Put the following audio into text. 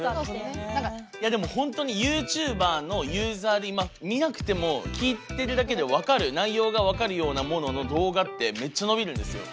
いやでも本当にＹｏｕＴｕｂｅｒのユーザーで今見なくても聞いてるだけで内容が分かるようなものの動画ってめっちゃ伸びるんですよ。